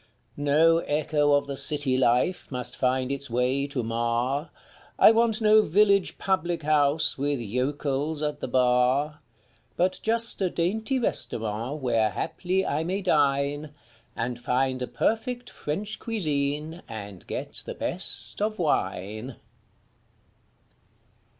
No echo of the city life must find its way to mar, I want no village public house with yokels at the bar; But just a dainty restaurant where haply I may dine, And find a perfect French cuisine and get the best of wine.